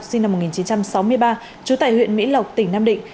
sinh năm một nghìn chín trăm sáu mươi ba trú tại huyện mỹ lộc tỉnh nam định